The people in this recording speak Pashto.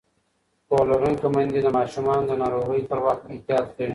پوهه لرونکې میندې د ماشومانو د ناروغۍ پر وخت احتیاط کوي.